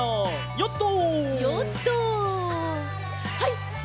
ヨット！